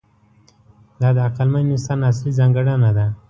دا د عقلمن انسان اصلي ځانګړنه ده.